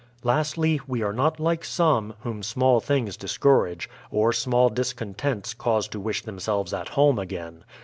Lastly, we are not like some, whom small things discourage, or small discontents cause to wish themselves at home again.